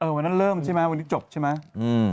วันนั้นเริ่มใช่ไหมวันนี้จบใช่ไหม